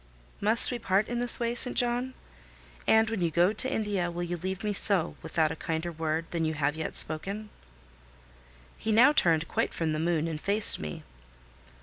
"Must we part in this way, St. John? And when you go to India, will you leave me so, without a kinder word than you have yet spoken?" He now turned quite from the moon and faced me.